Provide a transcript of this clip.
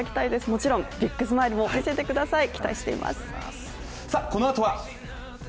もちろんビッグスマイルも見せてください。